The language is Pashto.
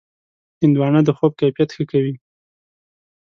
هندوانه د خوب کیفیت ښه کوي.